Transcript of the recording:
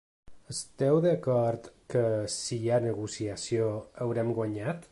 Esteu d’acord que si hi ha negociació, haurem guanyat?